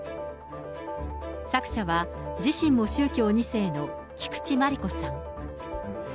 作者は、自身も宗教２世の菊池真理子さん。